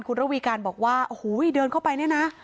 คุณระวีการบอกว่าโอ้โหเดินเข้าไปเนี่ยนะ